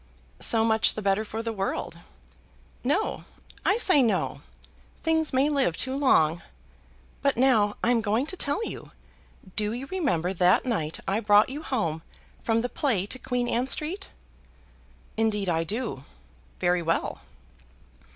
"So much the better for the world." "No; I say no. Things may live too long. But now I'm going to tell you. Do you remember that night I brought you home from the play to Queen Anne Street?" "Indeed I do, very well."